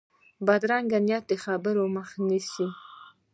بدرنګه نیت د خیر مخه نیسي